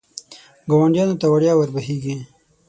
ګاونډیانو ته وړیا ور بهېږي.